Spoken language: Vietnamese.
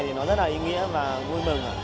thì nó rất là ý nghĩa và vui mừng